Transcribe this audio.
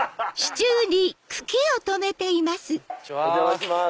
お邪魔します。